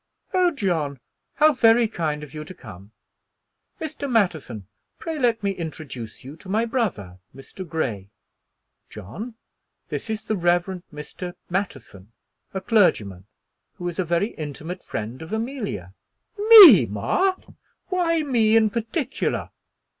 "Oh, John! how very kind of you to come. Mr. Matterson, pray let me introduce you to my brother, Mr. Grey. John, this is the Rev. Mr. Matterson, a clergyman who is a very intimate friend of Amelia." "Me, ma! Why me in particular?"